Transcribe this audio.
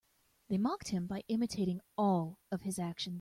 They mocked him by imitating all of his actions.